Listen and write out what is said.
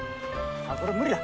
あっこれ無理だ。